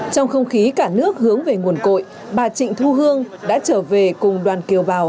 trong không khí cả nước hướng về nguồn cội bà trịnh thu hương đã trở về cùng đoàn kiều bào